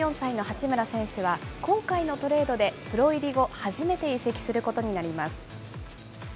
２４歳の八村選手は今回のトレードでプロ入り後、初めて移籍することになります。